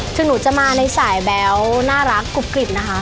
คือหนูจะมาในสายแบ๊วน่ารักกรุบกริบนะคะ